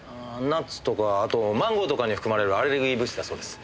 ナッツとかあとマンゴーとかに含まれるアレルギー物質だそうです。